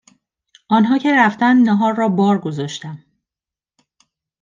آنها که رفتند ناهار را بار گذاشتم